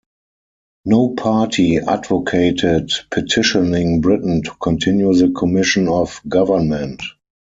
No party advocated petitioning Britain to continue the Commission of Government.